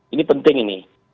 ini penting ini